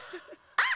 あっ！